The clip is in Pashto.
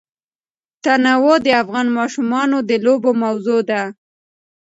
تنوع د افغان ماشومانو د لوبو موضوع ده.